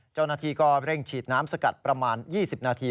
เจ้าหน้าที่ก็เร่งฉีดน้ำสกัดประมาณ๒๐นาที